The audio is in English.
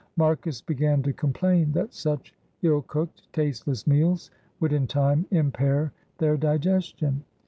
Marcus began to complain that such ill cooked, tasteless meals would in time impair their digestion.